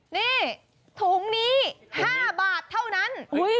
นี่ถุงนี้๕บาทเท่านั้น